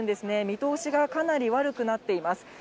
見通しがかなり悪くなっています。